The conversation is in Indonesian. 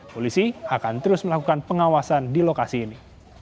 polisi akan terus melakukan pengawasan di lokasi ini